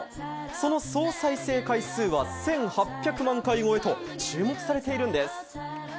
その総再生回数は１８００万回超えと注目されているんです。